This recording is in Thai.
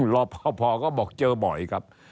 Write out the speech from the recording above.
รอพอก็บอกเจอบ่อยครับ